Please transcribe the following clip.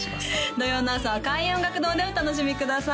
土曜の朝は開運音楽堂でお楽しみください